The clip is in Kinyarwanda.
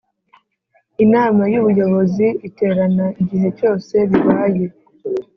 Inama y’Ubuyobozi iterana igihe cyose bibaye